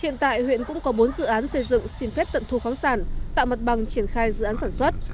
hiện tại huyện cũng có bốn dự án xây dựng xin phép tận thu khoáng sản tạo mặt bằng triển khai dự án sản xuất